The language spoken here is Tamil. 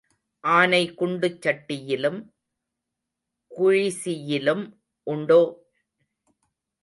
ஆனை குண்டு சட்டியிலும் குழிசியிலும் உண்டோ?